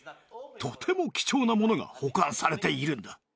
とても貴重なものが保管されているんだ。